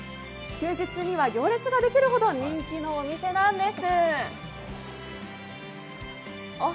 休日には行列ができるほど人気のお店なんです。